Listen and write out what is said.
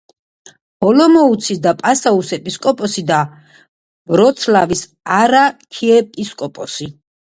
ოლომოუცის და პასაუს ეპისკოპოსი და ვროცლავის არქიეპისკოპოსი.